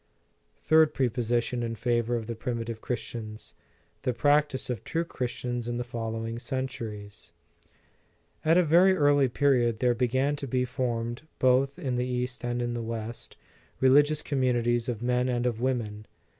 Third prepossession in favor of the primi tive Christians: The practice of true Chris tians in the following centuries. At a very early period there began to be formed, both in the East and in the West, *Epist., lib. x, epist. 97. In the Nineteenth Century. 41 religious communities of men and of women.